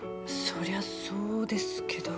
そりゃそうですけど。